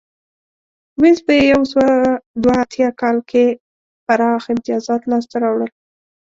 وینز په یو سوه دوه اتیا کال کې پراخ امتیازات لاسته راوړل